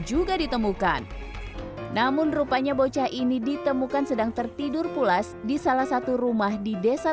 juga ditemukan namun rupanya bocah ini ditemukan sedang tertidur pulas di salah satu rumah di desa